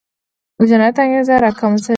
د جنایت انګېزه راکمه شي.